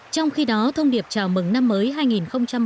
trong khi đó thông điệp chào mừng năm mới hai nghìn một mươi tám